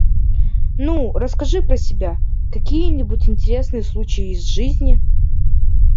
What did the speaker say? Ну, расскажи про себя. Какие-нибудь интересные случаи из жизни!